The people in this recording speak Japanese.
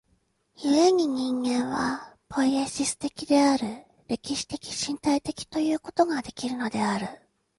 故に人間はポイエシス的である、歴史的身体的ということができるのである。